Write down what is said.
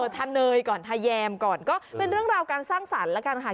ทาเนยก่อนทาแยมก่อนก็เป็นเรื่องราวการสร้างสรรค์แล้วกันค่ะ